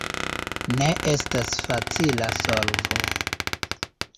Ne estas facila solvo.